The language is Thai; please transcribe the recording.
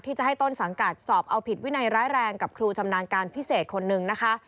ที่จะให้ต้นสังกัดสอบเอาผิดวินัยร้ายแรงกับครูชำนาญการพิเศษคนนึงนะคะ